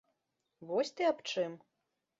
Вось ты аб чым?